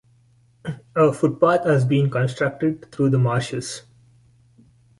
A footpath has been constructed through the marshes.